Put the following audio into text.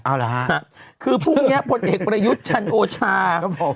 เอาเหรอฮะคือพรุ่งเนี้ยพลเอกประยุทธ์จันโอชาครับผม